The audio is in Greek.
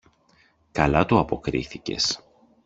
Καλά του αποκρίθηκες!